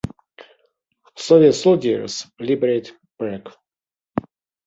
Soviet soldiers liberate Prague.